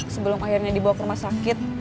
sebelum akhirnya dibawa ke rumah sakit